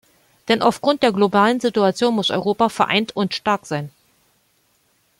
Denn aufgrund der globalen Situation muss Europa vereint und stark sein.